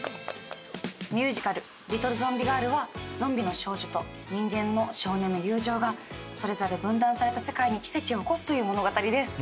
ミュージカル『リトル・ゾンビガール』はゾンビの少女と人間の少年の友情がそれぞれ分断された世界に奇跡を起こすという物語です。